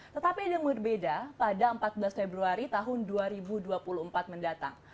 tetapi dengan berbeda pada empat belas februari tahun dua ribu dua puluh empat mendatang